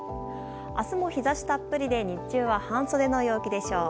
明日も日差したっぷりで日中は半袖の陽気でしょう。